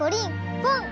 ポン！